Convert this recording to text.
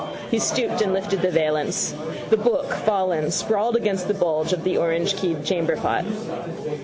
He stooped and lifted the valance. The book, fallen, sprawled against the bulge of the orangekeyed chamberpot.